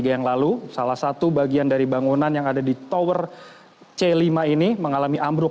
yang lalu salah satu bagian dari bangunan yang ada di tower c lima ini mengalami ambruk